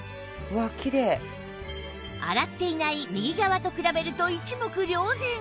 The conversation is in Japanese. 洗っていない右側と比べると一目瞭然！